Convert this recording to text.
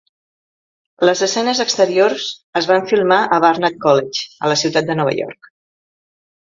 Les escenes exteriors es van filmar a Barnard College, a la ciutat de Nova York.